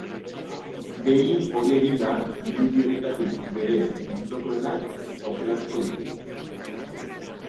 Behin hori eginda, irudi horietatik bere gustokoenak aukeratuko ditu.